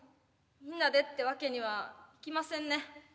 みんなでってわけにはいきませんね。